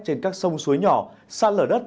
trên các sông suối nhỏ xa lở đất